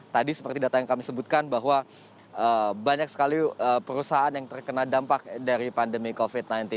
tadi seperti data yang kami sebutkan bahwa banyak sekali perusahaan yang terkena dampak dari pandemi covid sembilan belas